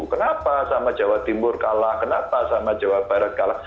kenapa sama jawa timur kalah kenapa sama jawa barat kalah